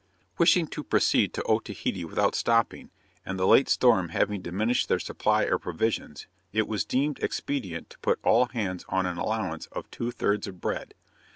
Wishing to proceed to Otaheite without stopping, and the late storm having diminished their supply of provisions, it was deemed expedient to put all hands on an allowance of two thirds of bread.